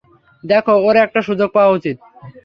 দেখো, ওর একটা সুযোগ পাওয়া উচিত।